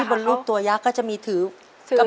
ที่บนรูปตัวยักษ์ก็จะมีถือกระบบ